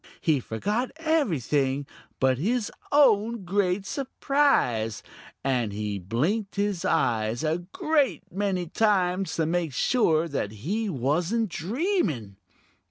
He forgot everything but his own great surprise, and he blinked his eyes a great many times to make sure that he wasn't dreaming.